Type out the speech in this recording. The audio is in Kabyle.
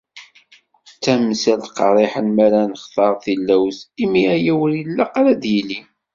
D tamsalt qerriḥen mi ara nexẓer tilawt, imi aya ur ilaq ara ad d-yili.